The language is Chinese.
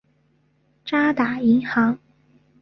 渣打银行。